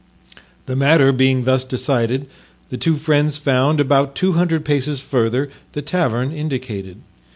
The matter being thus decided, the two friends found, about two hundred paces further, the tavern indicated.